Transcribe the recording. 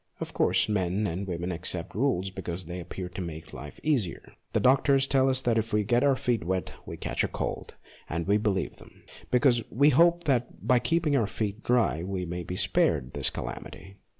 Of course, men and women accept rules because they appear to make life easier. The 44 MONOLOGUES doctors tell us that if we get our feet wet we catch a cold, and we believe them, because we hope that by keeping our feet dry we may be spared this calamity.